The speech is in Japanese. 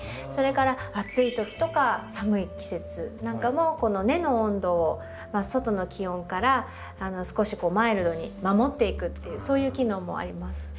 それから暑い時とか寒い季節なんかもこの根の温度を外の気温から少しマイルドに守っていくっていうそういう機能もあります。